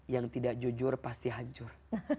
yang tidak jujur pasti hancur